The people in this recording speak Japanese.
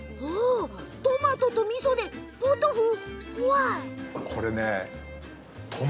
トマトとみそでポトフ？